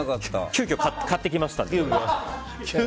急きょ、買ってきましたので。